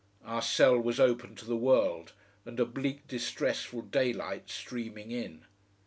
Our cell was open to the world, and a bleak, distressful daylight streaming in.